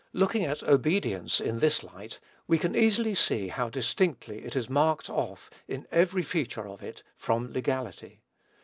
Looking at obedience in this light, we can easily see how distinctly it is marked off, in every feature of it from legality.